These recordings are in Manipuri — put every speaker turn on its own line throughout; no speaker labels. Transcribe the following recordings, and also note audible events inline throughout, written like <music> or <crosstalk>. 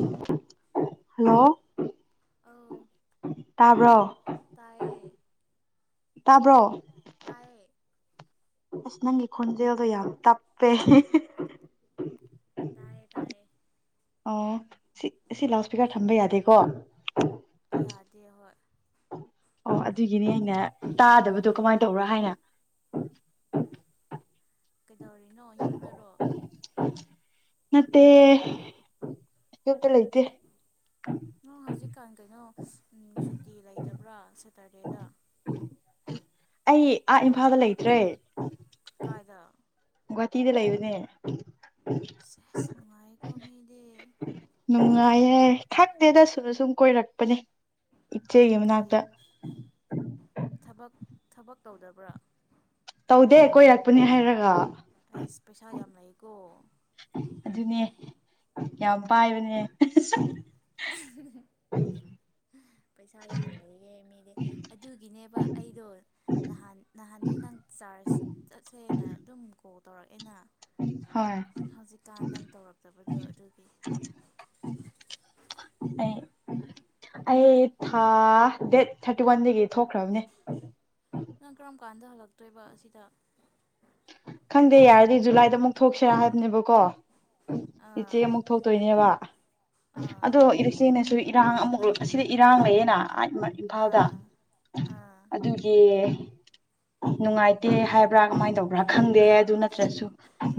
ꯍꯜꯂꯣ
ꯍꯜꯂꯣ
ꯑꯧ
ꯇꯥꯕ꯭ꯔꯣ ꯇꯥꯕ꯭ꯔꯣ
ꯇꯥꯏꯦ
ꯑꯁ ꯅꯪꯒꯤ ꯈꯣꯟꯖꯦꯜꯗꯣ ꯌꯥꯝ ꯇꯞꯄꯦ
ꯇꯥꯏꯌꯦ ꯇꯥꯏꯌꯦ
ꯑꯣ ꯁꯤ ꯁꯤ ꯂꯥꯎꯠ ꯏꯁꯄꯤꯀꯔ ꯊꯝꯕ ꯌꯥꯗꯦꯀꯣ
ꯌꯥꯗꯦ ꯍꯣꯏ
ꯑꯣ ꯑꯗꯨꯒꯤꯅꯤ ꯑꯩꯅ ꯇꯥꯗꯕꯗꯣ ꯀꯃꯥꯏꯅ
ꯎꯝ
ꯇꯧꯕ꯭ꯔꯥ ꯍꯥꯏꯅ
ꯀꯩꯗꯧꯔꯤꯅꯣ ꯌꯨꯝꯗꯔꯣ
ꯃꯦ ꯌꯇ ꯂꯩ
ꯅ ꯍꯧꯖꯤꯛꯀꯥꯟ ꯀꯩꯅꯣ ꯁꯨꯇꯤ ꯂꯩꯇꯕ꯭ꯔꯥ ꯁꯦꯇꯔꯗꯦꯗ
ꯑꯩ ꯑꯥ ꯏꯝꯐꯥꯜꯗ ꯂꯩꯇ꯭ꯔꯦ
ꯀꯥꯏꯗ
ꯒꯨꯍꯥꯇꯤꯗ ꯂꯩꯕꯅꯦ
ꯁꯦꯁ ꯅꯨꯡꯉꯥꯏꯀꯣ ꯃꯤꯗꯤ
ꯅꯨꯡꯉꯥꯏꯌꯦꯦ ꯈꯪꯗꯦꯗ ꯁꯨꯅ ꯁꯨꯝ ꯀꯣꯏꯔꯛꯄꯅꯦ ꯏꯆꯦꯒꯤ
ꯀꯩ
ꯃꯅꯥꯛꯇ
ꯊꯕꯛ ꯊꯕꯛ ꯇꯧꯗꯕ꯭ꯔꯥ
ꯇꯧꯗꯦ ꯀꯣꯏꯔꯛꯄꯅꯤ ꯍꯥꯏꯔꯒ
ꯑꯩꯁ ꯄꯩꯁꯥ ꯌꯥꯝ ꯂꯩꯀꯣ
ꯑꯗꯨꯅꯦ ꯌꯥꯝ ꯄꯥꯏꯕꯅꯦ
ꯄꯩꯁꯥ ꯌꯥꯝ ꯂꯩꯔꯦ ꯃꯤꯗꯤ ꯑꯗꯨꯒꯤꯅꯦꯕ ꯑꯩꯗꯣ ꯅꯍꯥꯟ ꯅꯍꯥꯟꯗꯤ ꯅꯪ ꯆꯥꯔꯖ ꯆꯠꯁꯦꯅ ꯑꯗꯨꯝ ꯀꯣꯛ ꯇꯧꯔꯛꯑꯦꯅ
ꯍꯣꯏ
ꯍꯧꯖꯤꯛꯀꯥꯟ ꯅꯪ
ꯑꯩ
ꯇꯧꯔꯛꯇꯕꯗꯣ ꯑꯗꯨꯒꯤ
ꯑꯩ ꯊꯥ ꯗꯦꯠ ꯊꯥꯔꯇꯤ ꯋꯥꯟꯗꯒꯤ ꯊꯣꯛꯈ꯭ꯔꯕꯅꯦ
ꯉ ꯀꯔꯝ ꯀꯥꯟꯗ ꯍꯂꯛ ꯊꯣꯛꯇꯣꯏꯕ ꯑꯁꯤꯗ
ꯈꯪꯗꯦ ꯌꯥꯔꯗꯤ ꯖꯨꯂꯥꯏꯗ ꯑꯃꯨꯛ ꯊꯣꯛꯁꯤꯔꯥ ꯍꯥꯏꯕꯅꯦꯕ ꯀꯣ ꯏꯆꯦ
ꯑꯥ
ꯑꯃꯨꯛ ꯊꯣꯛꯇꯣꯏꯅꯦꯕ
ꯑꯥ
ꯑꯗꯣ ꯏꯆꯦꯅꯁꯨ ꯏꯔꯥꯡ ꯑꯃꯨꯛ ꯑꯁꯤꯗ ꯏꯔꯥꯡꯕꯌꯦꯅ ꯏꯝꯐꯥꯜꯗ
ꯑꯥ ꯑꯥ
ꯑꯗꯨꯒꯤ ꯅꯨꯡꯉꯥꯏꯇꯦ ꯍꯥꯏꯕ꯭ꯔꯥ ꯀꯃꯥꯏꯅ ꯇꯧꯕ ꯭ꯔ ꯈꯪꯗꯦ ꯑꯗꯨ ꯅꯠꯇ꯭ꯔꯁꯨ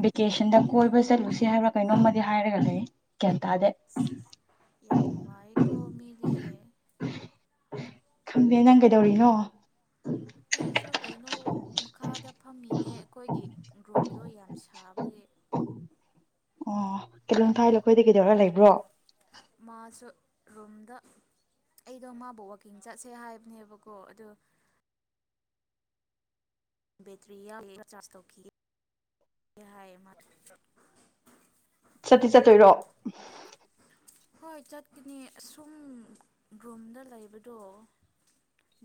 ꯚꯦꯀꯦꯁꯟꯗ ꯀꯣꯏꯕ ꯆꯠꯂꯨꯁꯤ ꯍꯥꯏꯕ꯭ꯔꯥ ꯀꯩꯅꯣꯝꯃꯗꯤ ꯍꯥꯏꯔꯒ ꯂꯩ ꯒ꯭ꯌꯥꯟꯇꯥꯗ
ꯌꯥꯝ ꯅꯨꯡꯉꯥꯏꯀ ꯃꯦꯦ
ꯈꯪꯗꯦ ꯅꯪꯒꯩꯗꯧꯔꯤꯅꯣ
ꯑꯩꯁꯨ ꯀꯩꯅꯣ ꯃꯈꯥꯗ ꯐꯝꯃꯤꯅꯦ ꯑꯩꯈꯣꯏꯒꯤ ꯔꯨꯝꯗꯣ ꯌꯥꯝ ꯁꯥꯥꯕꯒꯤ
ꯑꯣ ꯀꯂꯣ ꯊꯥꯏꯂꯈꯣꯏ ꯀꯩꯗꯧꯔ ꯂꯩꯕ꯭ꯔꯣ
ꯃꯥꯁꯨ ꯔꯨꯝꯗ ꯑꯩꯗꯣ ꯃꯥꯕꯨ ꯋꯀꯤꯡ ꯆꯠꯁꯦ ꯍꯥꯏꯕꯅꯦꯕꯀꯣ ꯑꯗꯣ ꯕꯦꯇꯔꯤꯌꯥ ꯄ ꯆꯥꯁꯇꯣꯈꯤ ꯌꯥꯍꯥꯏꯃ
ꯆꯠꯇꯤ ꯆꯠꯇꯣꯏꯔꯣ
ꯍꯣꯏ ꯆꯠꯀꯅꯤ ꯑꯁꯨꯝ ꯔ꯭ꯔꯨꯝꯗ ꯂꯩꯕꯗꯣ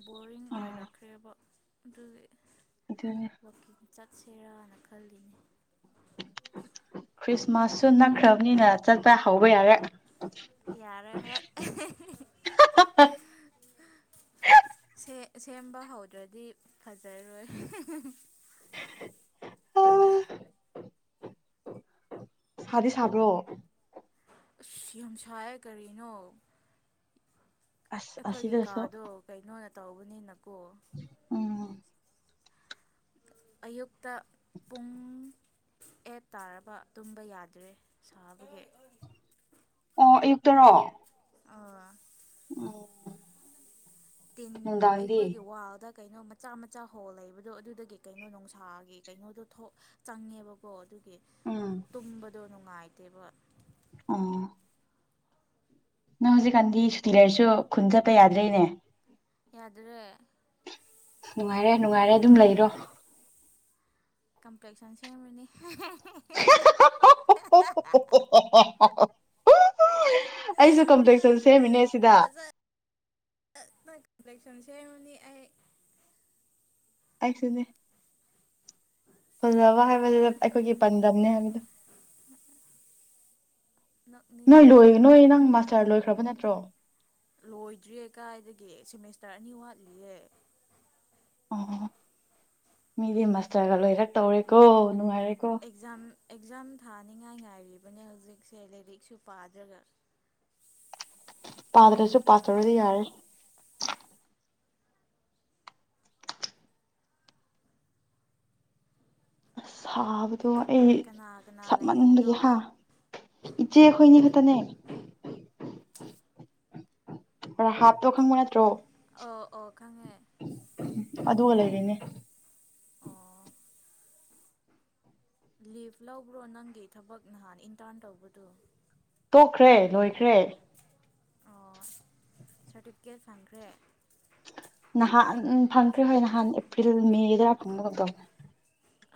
ꯕꯣꯔꯤꯡ
ꯑꯥ
ꯑꯣꯏꯔꯛꯈ꯭ꯔꯦꯕ ꯑꯗꯨ
ꯑꯗꯨꯅꯦ
ꯡ ꯆꯠ ꯁꯦꯔꯥꯅ ꯈꯜꯂꯤꯅꯦ
ꯈ꯭ꯔꯤꯁꯃꯥꯁꯁꯨ ꯅꯛꯈ꯭ꯔꯕꯅꯤꯅ ꯆꯠꯄ ꯍꯧꯕ ꯌꯥꯔꯦ
ꯌꯥꯔꯦ ꯍꯣꯏ ꯁꯦ ꯁꯦꯝꯕ ꯍꯧꯗ꯭ꯔꯗꯤ ꯐꯖꯔꯣꯏ
ꯑ ꯁꯥꯗꯤ ꯁꯥꯕ꯭ꯔꯣ
ꯑꯁ ꯌꯥꯝ ꯁꯥꯏꯑ ꯀꯔꯤꯅꯣ
ꯑꯁ
ꯑꯩꯈꯣꯏꯒꯤ
ꯑꯁꯤꯗꯁꯨ
ꯀꯥꯗꯣ ꯀꯩꯅꯣ ꯅ ꯇꯧꯕꯅꯤꯅ
ꯎꯝ
ꯑꯌꯨꯛꯇ ꯄꯨꯡ ꯑꯦꯠ ꯇꯥꯔꯕ ꯇꯨꯝꯕ ꯌꯥꯗ꯭ꯔꯦ ꯁꯥꯕꯒꯤ
ꯑꯌꯨꯛꯇꯔꯣ
ꯑ
ꯑꯣ
ꯇꯤꯟ ꯑꯩꯈꯣꯏꯒꯤ ꯋꯥꯜꯗ ꯀꯩꯅꯣ ꯃꯆꯥ ꯃꯆꯥ ꯍꯣꯜ ꯂꯩꯕꯗꯣ ꯑꯗꯨꯗꯒꯤ ꯀꯩꯅꯣ ꯅꯨꯡꯁꯥꯒꯤ ꯀꯩꯅꯣꯗꯣ ꯆꯪꯉꯦꯕꯀꯣ ꯑꯗꯨ
ꯎꯝ
ꯇꯨꯝꯕꯗꯨꯣ ꯅꯨꯡꯉꯥꯏꯇꯦꯕ
ꯑꯥ ꯅꯪ ꯍꯧꯖꯤꯛꯀꯥꯟꯗꯤ ꯁꯨꯇꯤ ꯂꯩꯔꯁꯨ ꯈꯨꯟ ꯆꯠꯄ ꯌꯥꯗ꯭ꯔꯦꯅꯦ
ꯌꯥꯗꯨꯔꯦ
ꯅꯨꯡꯉꯥꯏꯔꯦ ꯅꯨꯡꯉꯥꯏꯔꯦ ꯑꯗꯨꯝ ꯂꯩꯔꯣ
ꯀꯝꯄ꯭ꯂꯦꯛꯁꯟ ꯁꯦꯝꯕꯅꯤ
ꯑꯩꯁꯨ ꯀꯝꯇꯦꯛꯁꯟ ꯁꯦꯝꯃꯤꯅꯦ ꯁꯤꯗ
ꯏ꯭ꯂꯦꯛꯁꯟꯁꯦ ꯍꯅꯤ ꯍꯥꯏ
ꯑꯩꯁꯅꯦ ꯐꯖꯕ ꯍꯥꯏꯕꯗꯨꯗ ꯑꯩꯈꯣꯏꯒꯤ ꯄꯥꯟꯗꯝꯅꯦ ꯍꯥꯏꯕꯗꯣ ꯅꯣꯏ ꯂꯣꯏ
ꯅꯛꯅꯤꯡꯉꯦꯍꯦ
ꯅꯣꯏ ꯅꯪ ꯃꯥꯁꯇꯔ ꯂꯣꯏꯈ꯭ꯔꯕ ꯅꯠꯇ ꯠꯇ꯭ꯔꯣ
ꯂꯣꯏꯗ꯭ꯔꯤꯦ ꯀꯥꯏꯗꯒꯤ ꯁꯦꯃꯤꯁꯇꯔ ꯑꯅꯤ ꯋꯥꯠꯂꯤꯌꯦꯦ
ꯑꯣ ꯃꯤꯗꯤ ꯃꯥꯁꯇꯔꯒ ꯂꯣꯏꯔꯛ ꯇꯧꯔꯦꯀꯣ ꯅꯨꯡꯉꯥꯏꯔꯦꯀꯣ
ꯑꯦꯛꯖꯥꯝ ꯑꯦꯛꯖꯥꯝ ꯊꯥꯅꯤꯉꯥꯏ ꯉꯥꯏꯔꯤꯕꯅꯦ ꯍꯧꯖꯤꯛꯁꯦ ꯂꯥꯏꯔꯤꯛꯁꯨ ꯄꯥꯗ꯭ꯔꯒ
ꯄꯥꯗ꯭ꯔꯁꯨ ꯄꯥꯊꯔꯗꯤ ꯌꯥꯔꯦ ꯁꯥꯕ ꯑꯗꯣ ꯑꯩ
ꯀꯅꯥ ꯀꯅꯥ
ꯁꯠ
ꯂꯩꯔꯤꯅꯣ
ꯃꯅꯤꯡꯕꯒꯤ ꯍꯥ ꯏꯆꯦꯈꯣꯏꯅꯤ ꯈꯛꯇꯅꯦ ꯑꯣꯔ ꯍꯥꯞꯇꯣ ꯈꯪꯕ ꯅꯠꯇ꯭ꯔꯣ
ꯑꯣ ꯑꯣ ꯈꯉꯦ
ꯎ ꯑꯗꯨꯒ ꯂꯩꯔꯤꯅꯦ
ꯑꯣ ꯂꯤꯐ ꯂꯧꯕ꯭ꯔꯣ ꯅꯪꯒꯤ ꯊꯕꯛ ꯅꯍꯥꯟ ꯏꯟꯇꯥꯔꯟ ꯇꯧꯕꯗꯨ
ꯇꯣꯛꯈ꯭ꯔꯦ ꯂꯣꯏꯈ꯭ꯔꯦ
ꯑꯣ ꯁꯥꯔꯇꯤꯐꯤꯀꯦꯠ ꯐꯪꯈ꯭ꯔꯦ
ꯅꯍꯥꯟ ꯐꯪꯈ꯭ꯔꯦ ꯍꯣꯏ ꯅꯍꯥꯟ ꯑꯦꯄ꯭ꯔꯤꯜ ꯃꯦꯒꯤꯗꯔꯥ ꯐꯪꯕ ꯉꯝꯗꯧꯅꯦ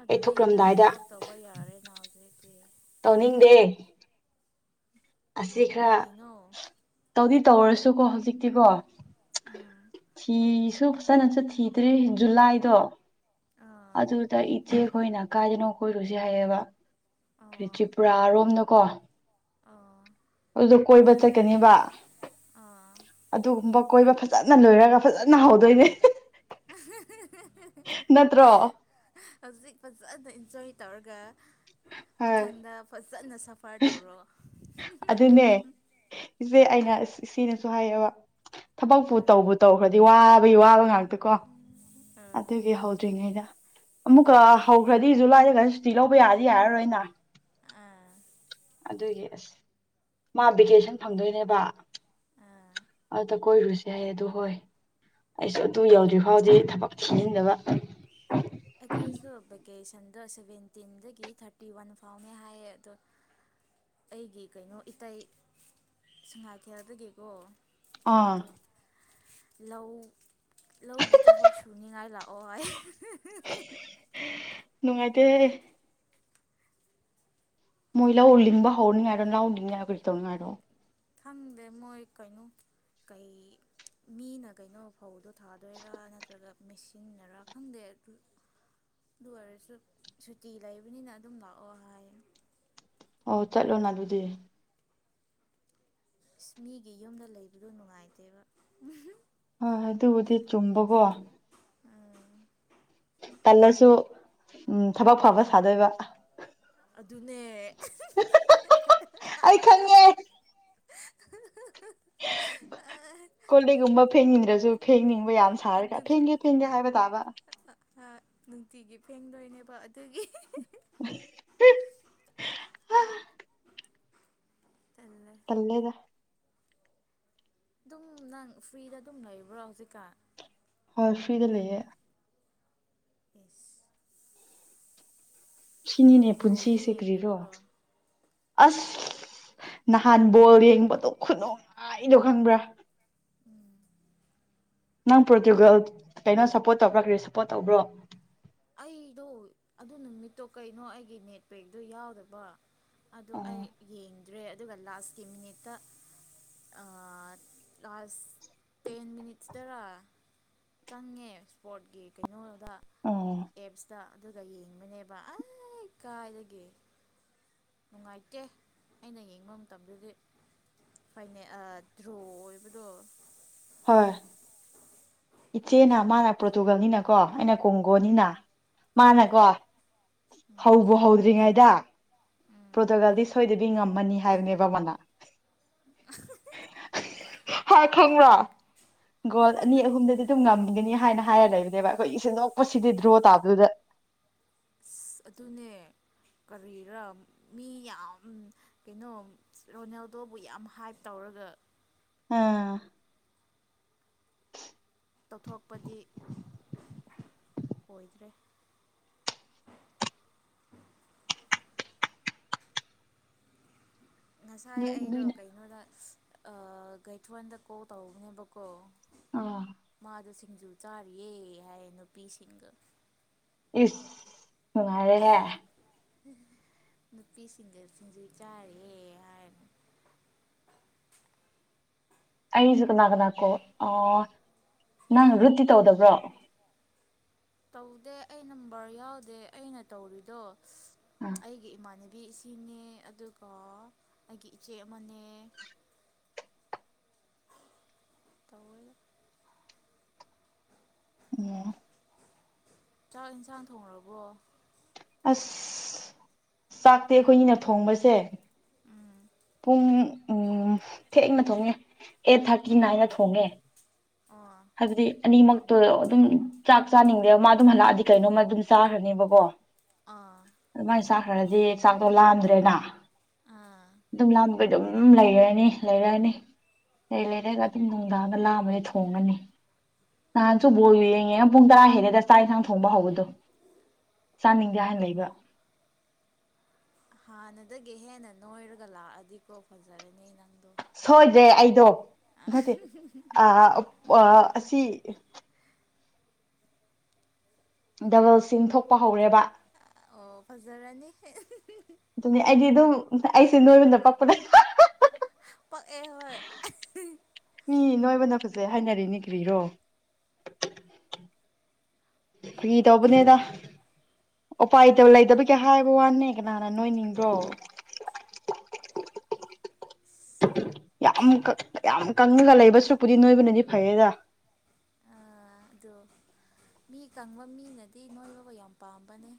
ꯑꯗꯨꯗꯤ ꯅꯪ ꯊꯕꯛ ꯇꯧꯕ ꯌꯥꯔꯦꯅ ꯍꯧꯖꯤꯛ ꯎ
ꯇꯧꯅꯤꯡꯗꯦ ꯑꯁꯤ ꯈꯔ
ꯀꯩꯒꯤꯅꯣ
ꯇꯧꯗꯤ ꯇꯧꯔꯁꯨ ꯀꯣ ꯍꯧꯖꯤꯛꯇꯤꯀꯣ
ꯎꯝ
ꯊꯤꯁꯨ ꯐꯖꯅꯁꯨ ꯊꯤꯗ꯭ꯔꯤ ꯖꯨꯂꯥꯏꯗꯣ
ꯑꯥ
ꯑꯗꯨꯗ ꯏꯠꯆꯦ ꯑꯩꯈꯣꯏꯅ ꯀꯥꯏꯗꯅꯣ ꯀꯣꯏꯔꯨꯁꯦ ꯍꯥꯏꯌꯦꯕ
ꯑꯣ
ꯀ꯭ꯆꯔꯤꯄꯨꯔꯥ ꯑꯔꯣꯝꯅ ꯀꯣ
ꯑꯣ
ꯑꯣꯗ ꯀꯣꯏꯕ ꯆꯠꯀꯅꯦꯕ
ꯑꯥ
ꯑꯗꯨꯒꯨꯝꯕ ꯀꯣꯏꯕ ꯐꯖꯅ ꯂꯣꯏꯔꯒ ꯐꯖꯅ ꯍꯧꯗꯣꯏꯅꯦ
ꯑ
ꯅꯠꯇ꯭ꯔꯣ
ꯍꯧꯖꯤꯛ ꯐꯖꯅ ꯏꯟꯖꯣꯏ ꯇꯧꯔꯒ
ꯍꯣꯏ
ꯃꯊꯪꯗ ꯐꯁ ꯆꯖꯠꯅ ꯁꯐꯔ ꯇꯧꯔꯣ
ꯑꯗꯨꯅꯦ ꯏꯆꯦ ꯑꯩꯅꯁ ꯁꯤꯅꯁꯨ ꯁ ꯍꯥꯏꯕ ꯊꯕꯛꯄꯨ
ꯎꯝ
ꯇꯧꯕ ꯇꯧꯈ꯭ꯔꯗꯤ ꯋꯥ ꯋꯥꯕ ꯉꯥꯛꯇ ꯀꯣ
ꯎꯝ
ꯑꯗꯨꯒꯤ ꯍꯧꯗ꯭ꯔꯤꯉꯩꯗ ꯑꯃꯨꯛꯀ ꯍꯧꯈ꯭ꯔꯗꯤ ꯖꯨꯂꯥꯏꯗꯒ ꯁꯨꯇꯤ ꯂꯧꯕ ꯌꯥꯗꯤ ꯌꯥꯔꯔꯣꯏꯅ
ꯑꯥ
ꯑꯗꯨꯒꯤ ꯑꯁ ꯃꯥ ꯚꯦꯀꯦꯁꯟ ꯐꯪꯗꯣꯏꯅꯦꯕ
ꯑꯥ
ꯑꯗ ꯀꯣꯏꯔꯨꯁ ꯍꯥꯏ ꯑꯗꯨꯣ ꯍꯣꯏ ꯑꯩꯁꯨ ꯑꯗꯨ ꯌꯧꯗ꯭ꯔꯤ ꯐꯥꯎꯗꯤ ꯊꯕꯛ ꯊꯤꯖꯤꯟꯗꯕ
ꯑꯦꯈꯥꯏꯁꯨꯦ ꯑꯣꯀꯦꯁꯟꯗꯣ ꯁꯚꯦꯟꯇꯤꯟꯗꯒꯤ ꯊꯥꯔꯇꯤ ꯋꯥꯟ ꯐꯥꯎꯅꯦ ꯍꯥꯏꯌꯦ ꯑꯗꯣ ꯑꯩꯒꯤ ꯀꯩꯅꯣ ꯏꯇꯩ ꯁꯉꯥꯏꯊꯦꯜꯗꯒꯤꯀꯣ
ꯑꯥ
ꯃꯥꯖ ꯂꯧ ꯂꯧꯒꯤ ꯊꯕꯛ ꯁꯨꯅꯤꯡꯉꯥꯏ ꯂꯥꯛꯑꯣ ꯍ
ꯅꯨꯡꯉꯥꯏꯇꯦ ꯃꯣꯏ ꯂꯧꯜꯂꯤꯅꯤꯡꯕ ꯍꯧꯔꯅꯤꯉꯥꯏꯔꯣ ꯂꯧꯍꯅꯤꯡꯉꯥꯏꯔꯣ ꯀꯩ ꯇꯧꯅꯤꯉꯥꯏꯔꯣ
ꯈꯪꯗꯦ ꯃꯣꯏ ꯀꯩꯅꯣ ꯀꯩ ꯃꯤꯅ ꯀꯩꯅꯣ ꯐꯧꯗ ꯊꯥꯗꯣꯏꯔꯥ ꯅꯠꯇ꯭ꯔꯒ ꯃꯦꯁꯤꯟꯅꯔꯥ ꯈꯪꯗꯦ ꯑꯗꯨ ꯑꯗꯨ ꯑꯣꯏꯔꯁꯨ ꯁꯨꯇꯤ ꯂꯩꯕꯅꯤꯅ ꯑꯗꯨꯝ ꯂꯥꯛꯑꯣ ꯍꯥꯏꯌꯦ
ꯑꯣ ꯆꯠꯂꯣꯅ ꯑꯗꯨꯗꯤ
ꯑ ꯃꯤꯒꯤ ꯌꯨꯝꯗ ꯂꯩꯕꯗꯣ ꯅꯨꯡꯉꯥꯏꯇꯦꯕ
ꯑ ꯑꯗꯨꯕꯨꯗꯤ ꯆꯨꯝꯕꯀꯣ
ꯎꯝ
ꯇꯜꯂꯁꯨ ꯎꯝ ꯊꯕꯛ ꯐꯕ ꯁꯥꯗꯣꯏꯕ
ꯑꯗꯨꯅꯦ
ꯑꯩ ꯀꯣꯂꯦꯛꯒꯨꯝꯕ ꯐꯦꯡꯅꯤꯡꯗ꯭ꯔꯁꯨ ꯐꯦꯡꯅꯤꯡꯕ ꯌꯥꯝ ꯁꯥꯔꯒ
ꯑꯗꯨꯅꯦ
ꯐꯦꯡꯒꯦ ꯐꯦꯡꯒꯦ ꯍꯥꯏꯕ ꯇꯥꯕ
ꯅꯨꯡꯇꯤꯒꯤ ꯐꯦꯡꯗꯣꯏꯅꯦꯕ ꯑꯗꯨꯒꯤ
ꯑ
ꯇꯜꯂꯦ ꯑꯗꯨꯝ ꯅꯪ ꯐ꯭ꯔꯤꯗ ꯑꯗꯨꯝ ꯂꯩꯕ꯭ꯔꯣ ꯍꯧꯖꯤꯛꯀꯥꯟ
ꯍꯣꯏ ꯐ꯭ꯔꯤꯗ ꯂꯩꯌꯦꯦ
ꯏꯁꯁ
ꯁꯤꯅꯤꯅꯦ
ꯕꯣꯜꯗꯤ
ꯄꯨꯟꯁꯤꯁꯦ ꯀ꯭ꯔꯤꯔꯣ
ꯌꯦꯡꯗꯕ꯭ꯔꯣ
ꯑꯁ ꯅꯍꯥꯟ ꯕꯣꯜ ꯌꯦꯡꯕꯗꯣ ꯈꯨꯅꯨꯡꯧꯉꯥꯏꯗꯣ ꯈꯪꯕ꯭ꯔꯥ ꯅꯪ ꯄ꯭ꯔꯣꯔꯇꯨꯒꯜ ꯀꯩꯅꯣ ꯁꯞꯄꯣꯔꯠ ꯇꯧꯕ꯭ꯔꯥ ꯀꯔꯤ ꯁꯞꯄꯣꯔꯠ ꯇꯧꯕ꯭ꯔꯣ
ꯑꯩꯗꯣ ꯑꯗꯨ ꯅꯨꯃꯤꯠꯇꯣ ꯀꯩꯅꯣ ꯑꯩꯒꯤ ꯅꯦꯠꯄꯦꯛꯇꯣ ꯌꯥꯎꯗꯕ ꯑꯗꯨ ꯑꯩ ꯌꯦꯡꯗ꯭ꯔꯦ ꯑꯗꯨꯒ ꯂꯥꯁꯀꯤ ꯃꯤꯅꯤꯠꯇ ꯂꯥꯁ ꯇꯦꯟ ꯃꯤꯅꯤꯠꯁꯇꯔꯥ ꯆꯪꯉꯦ ꯏꯁꯄꯣꯔꯠꯀꯤ ꯀꯩꯅꯣꯗ
ꯑꯣ
ꯑꯦꯞꯁꯇ ꯑꯗꯨꯒ ꯌꯦꯡꯕꯅꯦꯕ ꯑꯩ ꯀꯥꯏꯗꯒꯤꯦ ꯅꯨꯡꯉꯥꯏꯇꯦ ꯑꯩꯅ ꯌꯦꯡꯕ ꯃꯇꯝꯗꯗꯤ ꯐ ꯗ꯭ꯔꯣ ꯑꯣꯏꯕꯗꯣ
ꯍꯣꯏ ꯏꯆꯦꯅ ꯃꯥꯅ ꯄꯣꯔꯇꯨꯒꯜꯅꯤꯅꯀꯣ ꯑꯩꯅ ꯀꯣꯡꯒꯣꯅꯤꯅ
ꯎꯝ
ꯃꯥꯅꯀꯣ ꯍꯕꯣ ꯍꯧꯗ꯭ꯔꯤꯉꯥꯏꯗ ꯄ꯭ꯔꯣꯇꯣꯒꯥꯜꯗꯤ ꯁꯣꯏꯗꯕꯤ ꯉꯝꯃꯅꯤ ꯍꯥꯏꯕꯅꯦꯕ ꯑꯃꯅ ꯍꯥꯥ ꯈꯃꯅꯥ ꯒꯗ ꯑꯅꯤ ꯑꯍꯨꯝꯗ ꯑꯗꯨ ꯉꯝꯒꯅꯤ ꯍꯥꯏꯅ ꯍꯥꯏꯔ ꯂꯩꯕꯅꯦꯕ ꯑꯩꯈꯣꯏꯒꯤꯁꯦ ꯅꯣꯛꯄꯁꯤꯗꯤ ꯗ꯭ꯔꯣ ꯇꯥꯕꯗꯨꯗ
ꯑꯁ ꯑꯗꯨꯅꯦ ꯀꯔꯤꯔꯥ ꯃꯤ ꯌꯥꯝ ꯀꯩꯅꯣ ꯔꯣꯅꯦꯜꯗꯣꯕꯨ ꯌꯥꯝ ꯍꯥꯏꯞ ꯇꯧꯔꯒ
ꯑꯥ
ꯇꯧꯊꯣꯛꯄꯗꯤ ꯑꯣꯏꯗ꯭ꯔꯦ ꯉꯁꯥꯏ
ꯅꯣꯏ
ꯑꯩꯗꯣ
ꯅꯣꯏꯅ
ꯀꯩꯅꯣꯗ ꯒꯩꯊꯟꯗ ꯀꯣ ꯇꯧꯅꯦꯕꯀꯣ
ꯑ
ꯁꯤꯡꯖꯨ ꯆꯥꯔꯤꯌꯦ ꯍꯥꯏ ꯅꯨꯄꯤꯁꯤꯡꯒ
ꯎꯉꯔꯦꯍꯦ
ꯅꯨꯄꯤꯁꯤꯡꯗ ꯁꯤꯡꯁꯤꯩ ꯆꯥꯔꯦ ꯍꯥꯏꯅ
ꯑꯩꯁꯨ ꯀꯅꯥ ꯀꯅꯥꯀꯣ ꯅꯪ ꯔꯨꯇꯤ ꯇꯧꯗꯕ꯭ꯔꯣ
ꯇꯧꯗꯦ ꯑꯩ ꯅꯝꯕꯔ ꯌꯥꯎꯗꯦ ꯑꯩꯅ ꯇꯧꯔꯤꯗꯣ
ꯑꯥ
ꯑꯩꯒꯤ ꯏꯃꯥꯅ ꯏꯕꯤ ꯏꯁꯤꯡꯅꯦ ꯑꯗꯨꯒ ꯑꯩꯒꯤ ꯏꯆꯦ ꯑꯃꯅꯦ
<unintelligible>
ꯇꯋ
ꯎ
ꯆꯥꯛ ꯏꯟꯁꯥꯡ ꯊꯣꯡꯈꯔꯕꯣ
ꯑꯁ ꯆꯥꯛꯇꯦ ꯑꯩꯈꯣꯏꯒꯤꯅ ꯊꯣꯡꯕꯁꯦ ꯄꯨꯡ ꯎ ꯊꯦꯡꯅ ꯊꯣꯡꯉꯦ ꯑꯩꯠ ꯊꯥꯔꯇꯤ
ꯑꯣ
ꯅꯥꯏꯅ ꯊꯣꯡꯉꯦ
ꯑꯣ
ꯍꯥꯏꯕꯗꯤ ꯑꯅꯤꯃꯛ ꯑꯗꯨꯝ ꯆꯥꯛ ꯆꯥꯅꯤꯡꯗꯦꯕ ꯃꯥ ꯑꯗꯨꯝ ꯍꯜꯂꯛꯑꯗꯤ ꯀꯩꯅꯣꯝꯃ ꯑꯗꯨꯝ ꯆꯥꯈ꯭ꯔꯅꯦꯕꯀꯣ
ꯑꯥ
ꯑꯗꯨꯃꯥꯏꯅ ꯆꯥꯛꯈ꯭ꯔꯗꯤ ꯆꯥꯛꯇꯣ ꯂꯥꯝ ꯗ꯭ꯔꯦꯅ
ꯑꯥ
ꯑꯗꯨꯝ ꯂꯥꯝꯃꯒ ꯑꯗꯨꯝ ꯂꯩꯔꯅꯤ ꯂꯩꯔꯅꯤ ꯂꯩ ꯂꯩꯔꯒ ꯑꯗꯨꯝ ꯅꯨꯡꯗꯥꯡꯗ ꯂꯥꯃꯗꯩ ꯊꯣꯡꯉꯅꯤ ꯅꯍꯥꯟꯁꯨ ꯕꯣꯜ ꯌꯦꯡꯉꯦ ꯄꯨꯡ ꯇꯔꯥ ꯍꯦꯜꯂꯦꯒ ꯆꯥꯛ ꯏꯟꯁꯥꯡ ꯊꯣꯡꯕ ꯍꯧꯕꯗꯣ ꯆꯥꯅꯤꯡꯗꯦ ꯍꯥꯢꯅ ꯂꯩꯕ
ꯍꯥꯟꯅꯗꯒꯤ ꯍꯦꯟꯅ ꯅꯣꯏꯔꯒ ꯂꯥꯛꯑꯗꯤꯀꯣ ꯐꯖꯔꯅꯤ ꯑꯩꯅ
ꯁꯣꯏꯗ꯭ꯔꯦ ꯑꯩꯗꯣ ꯅꯠꯇꯦ ꯑꯁꯤ ꯗꯕꯜꯆꯤꯟ ꯊꯣꯛꯄ ꯍꯧꯔꯦꯕ
ꯑꯣ ꯐꯖꯔꯅꯤ
ꯑꯗꯨꯅꯤ ꯑꯩꯗꯤ ꯑꯗꯨꯝ ꯑꯩꯁꯦ ꯅꯣꯏꯕꯅ ꯄꯛꯄꯅꯦ
ꯄꯛꯑꯦ ꯍꯣꯏ
ꯃꯤ ꯅꯣꯏꯕꯅ ꯐꯖ ꯍꯥꯏꯅꯔꯤꯅꯤ ꯀ꯭ꯔꯤꯔꯣ
ꯌꯥꯝ
ꯐꯒꯤ
ꯄꯛꯑꯦ
ꯇꯧꯕꯅꯦꯗ
ꯅꯣꯏꯕꯗꯣ
ꯎꯄꯥꯏꯇ ꯂꯩꯇꯕꯒꯤ ꯍꯥꯏꯕ ꯋꯥꯅꯦ ꯀꯅꯥꯅ ꯅꯣꯏꯅꯤꯡꯕ꯭ꯔꯣ ꯌꯥꯝ ꯀꯥ ꯌꯥꯝ ꯀꯪꯉꯒ ꯂꯩꯕ ꯁꯔꯨꯛꯄꯨꯗꯤ ꯅꯣꯏꯕꯨꯅꯗꯤ ꯐꯩꯌꯦꯗ
ꯑꯥ ꯑꯗꯣ ꯃꯤ ꯀꯪꯕ ꯃꯤꯅꯗꯤ ꯅꯣꯏꯕꯕꯨ ꯌꯥꯝ ꯄꯥꯝꯕꯅꯦ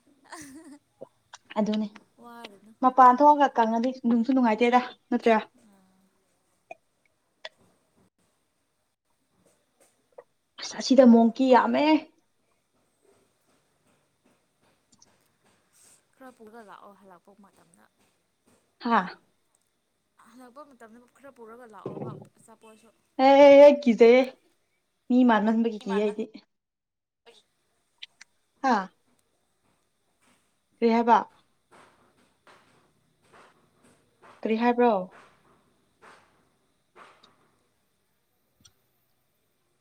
ꯑꯗꯨꯅꯦ
ꯋꯥꯔꯨꯅꯨ
ꯃꯄꯥꯟ ꯊꯣꯛꯑꯒ ꯀꯪꯉꯗꯤ ꯅꯨꯡꯁꯨ ꯅꯨꯡꯉꯥꯏꯇꯦꯗ ꯅꯠꯇꯔꯥ ꯑꯁ ꯑꯁꯤꯗ ꯃꯣꯡꯀꯤ ꯌꯥꯝꯃꯦ
ꯈꯔ ꯄꯨꯔꯒ ꯂꯥꯛꯑꯣ ꯍꯜꯂꯛꯄ ꯃꯇꯝꯗ
ꯍꯥꯥ
ꯍꯜꯁꯛꯄ ꯃꯇꯝꯗ ꯈꯔ ꯄꯨꯔꯒ ꯂꯥꯛꯑꯣꯕ ꯑꯆꯥꯄꯣꯠꯁꯨ
ꯑꯦ ꯀꯤꯖꯩꯌꯦ ꯃꯤ ꯃꯥꯟꯃꯟꯕꯒꯤ ꯀꯤꯌꯦ ꯑꯩꯗꯤ
ꯕꯒꯤ
ꯍꯥꯥ ꯀꯔꯤ ꯍꯥꯏꯕ ꯀꯔꯤ ꯍꯥꯏꯕ꯭ꯔꯣ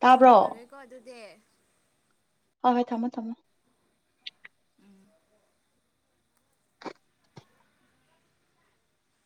ꯇꯥꯕ꯭ꯔꯣ
ꯊꯝꯈ꯭ꯔꯒꯦꯀꯣ ꯑꯗꯨꯗꯤ
ꯍꯣꯢ ꯍꯣꯏ ꯊꯝꯃꯣ ꯊꯝꯃꯣ
ꯎꯝ